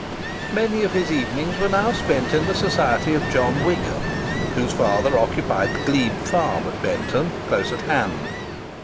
Many of his evenings were now spent in the society of John Wigham, whose father occupied the Glebe Farm at Benton, close at hand.